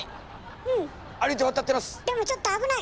でもちょっと危ない！